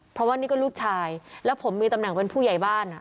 เพราะว่านี่ก็ลูกชายแล้วผมมีตำแหน่งเป็นผู้ใหญ่บ้าน